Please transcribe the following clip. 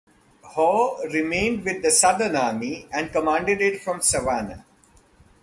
Howe remained with the Southern army and commanded it from Savannah.